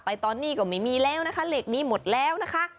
ตอนนี้ก็ไม่มีแล้วนะคะเลขนี้หมดแล้วนะคะ